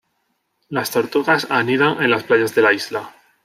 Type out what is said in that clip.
Las tortugas anidan en las playas de la isla.